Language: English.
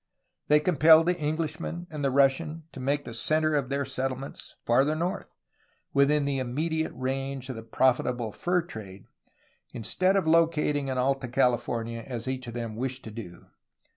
They compelled the Englishman and the Russian to make the centre of their settle ments farther north, within the immediate range of the profitable fur trade, instead of locating in Alta California as each of them wished to do.